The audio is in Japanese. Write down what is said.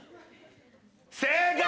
正解！